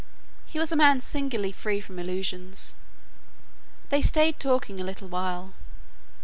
He was a man singularly free from illusions. They stayed talking a little while.